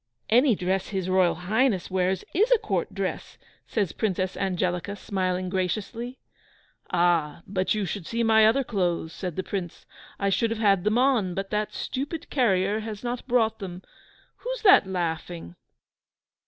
"Any dress his Royal Highness wears is a Court dress," says Princess Angelica, smiling graciously. "Ah! but you should see my other clothes," said the Prince. "I should have had them on, but that stupid carrier has not brought them. Who's that laughing?"